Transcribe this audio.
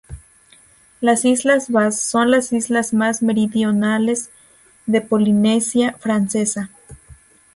Las Islas Bass son las islas más meridionales de Polinesia Francesa.